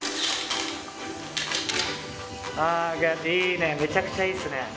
ああいいね